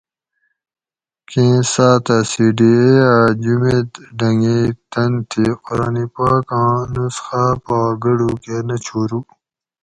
کیں ساۤتہ سی ڈی اے اۤ جُمیت ڈنگۓ تن تھی قُران پاک آۤں نُسخاۤ پا گڑوکۤہ نہ چھورو